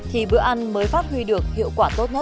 thì bữa ăn mới phát huy được hiệu quả tốt nhất